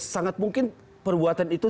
sangat mungkin perbuatan itu